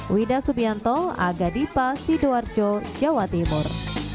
wida subianto aga dipa sidoarjo jawa timur